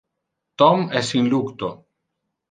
Tom es in lucto.